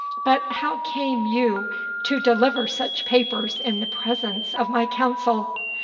But how came you to deliver such papers in the presence of my council?